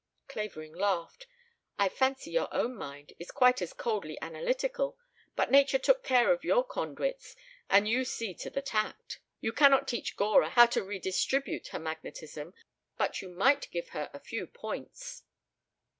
Clavering laughed. "I fancy your own mind is quite as coldly analytical, but nature took care of your conduits and you see to the tact. You cannot teach Gora how to redistribute her magnetism, but you might give her a few points."